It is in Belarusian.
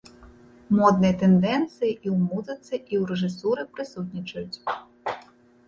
Модныя тэндэнцыі і ў музыцы, і ў рэжысуры прысутнічаюць.